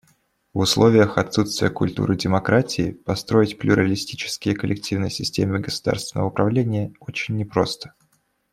В условиях отсутствия культуры демократии построить плюралистические коллективные системы государственного управления очень не просто.